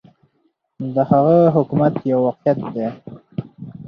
د هغه حکومت یو واقعیت دی.